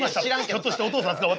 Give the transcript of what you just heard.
ひょっとしてお父さんですか？